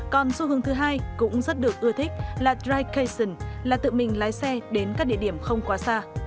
còn xu hướng thứ hai cũng rất được ưa thích là drigkation là tự mình lái xe đến các địa điểm không quá xa